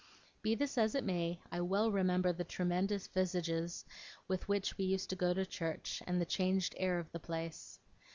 Be this as it may, I well remember the tremendous visages with which we used to go to church, and the changed air of the place.